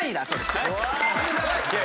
すごい！